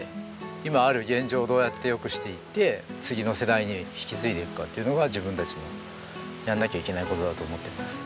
今ある現状をどうやって良くしていって次の世代に引き継いでいくかっていうのが自分たちのやんなきゃいけない事だと思っています。